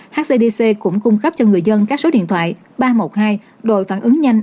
hcdc cũng cung cấp cho người dân các số điện thoại ba trăm một mươi hai đội phản ứng nhanh